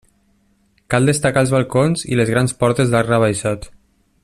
Cal destacar els balcons i les grans portes d'arc rebaixat.